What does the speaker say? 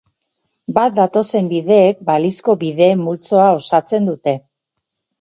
Bat datozen bideek balizko bideen multzoa osatzen dute.